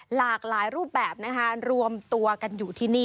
หลากหลายรูปแบบนะคะรวมตัวกันอยู่ที่นี่